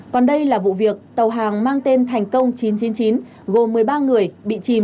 còn đây là vụ việc tàu hàng mang tên thành công chín trăm chín mươi chín gồm một mươi ba người bị chìm